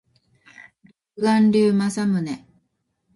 独眼竜政宗